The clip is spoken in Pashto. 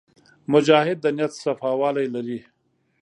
مجاهد د نیت صفاوالی لري.